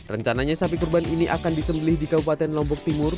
rencananya sapi kurban ini akan disembelih di kabupaten lombok timur